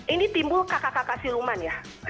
ini timbul kakak kakak siluman ya